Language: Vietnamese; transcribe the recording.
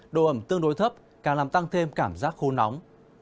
độ ẩm tương đối thấp càng làm tăng thêm cảm giác khô nóng